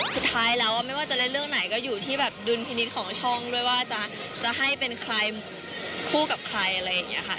สุดท้ายแล้วไม่ว่าจะเล่นเรื่องไหนก็อยู่ที่แบบดุลพินิษฐ์ของช่องด้วยว่าจะให้เป็นใครคู่กับใครอะไรอย่างนี้ค่ะ